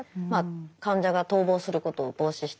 患者が逃亡することを防止した。